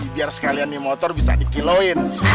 biar sekalian nih motor bisa dikilauin